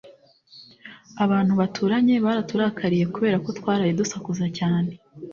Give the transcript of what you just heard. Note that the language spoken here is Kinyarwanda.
Abantu baturanye baraturakariye kubera ko twaraye dusakuje cyane.